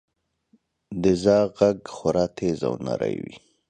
• د زاغ ږغ خورا تیز او نری وي.